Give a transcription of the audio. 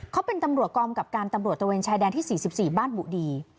เขาเป็นตำรวจกองกับการตำรวจตระเวนชายแดนที่๔๔บ้านบุรี